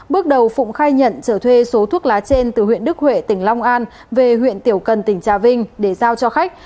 bước đầu phụng khai nhận trở thuê số thuốc lá trên từ huyện đức huệ tỉnh long an về huyện tiểu cần tỉnh trà vinh để giao cho khách